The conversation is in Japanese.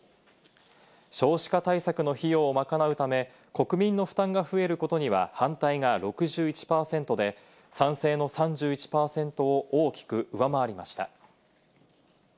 少子化対策の費用を賄うため、国民の負担が増えることには反対が６１％で、賛成の３１％を大きく上回りました。